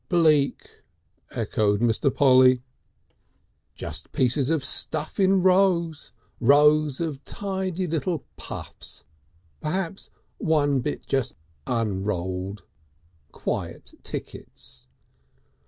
"Bleak!" echoed Mr. Polly. "Just pieces of stuff in rows, rows of tidy little puffs, perhaps one bit just unrolled, quiet tickets."